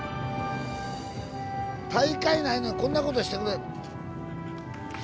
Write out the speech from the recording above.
大会ないのにこんなことしてくれる。